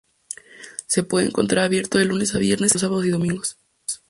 Se puede encontrar abierto de lunes a viernes y cerrado los sábados y domingos.